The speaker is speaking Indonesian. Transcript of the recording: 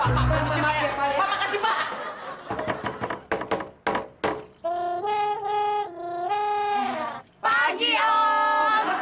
pak pak makasih pak